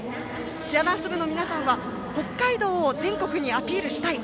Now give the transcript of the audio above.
チアダンス部の皆さんは北海道を全国にアピールしたい。